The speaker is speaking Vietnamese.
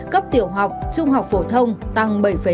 cấp tiểu học trung học phổ thông tăng bảy năm